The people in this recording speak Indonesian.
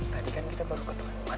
tadi kan kita baru ketemu kan ya